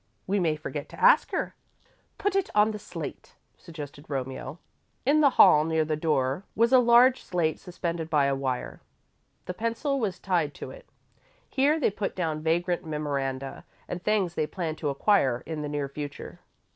We may forget to ask her." "Put it on the slate," suggested Romeo. In the hall, near the door, was a large slate suspended by a wire. The pencil was tied to it. Here they put down vagrant memoranda and things they planned to acquire in the near future.